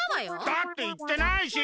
だっていってないし。